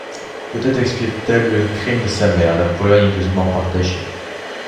Peut-être expiait-elle le crime de sa mère, la Pologne hideusement partagée.